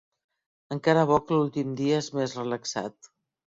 Encara bo que l'últim dia és més relaxat.